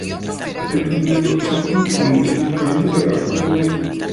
El Concejo Municipal, por Acuerdo No.